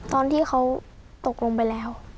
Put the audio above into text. ตอนที่เขาตกลงไปแล้ว